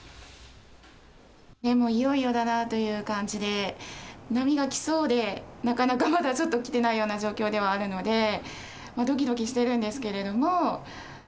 もういよいよだなという感じで、波が来そうで、なかなかまだちょっと来てないような状況ではあるので、どきどきしてるんですけれども。